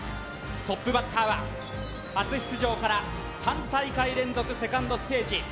トップバッターは初出場から３大会連続セカンドステージ